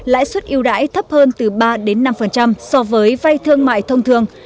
lãi suất yêu đãi thấp hơn từ ba năm so với vay thương mại thông thường